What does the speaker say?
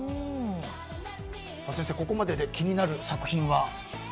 先生、ここまでで気になる作品は？